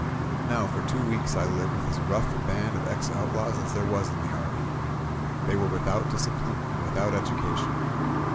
Now for two weeks I lived with as rough a band of ex outlaws as there was in the army. They were without discipline and without education.